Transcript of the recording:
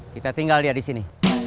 kita tinggal dia disini